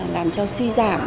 làm cho suy giảm